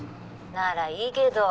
ならいいけど。